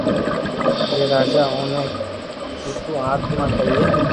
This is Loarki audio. جي راجا اوني ڪآتو آتما ڪرتي